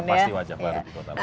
pasti wajah baru di kota bandung